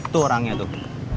tuh orangnya tuh